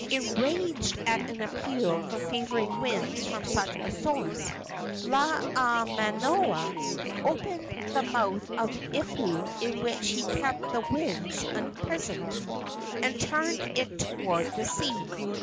Enraged at an appeal for favoring winds from such a source, Laamaomao opened the mouth of the ipu in which he kept the winds imprisoned, and turned it toward the sea.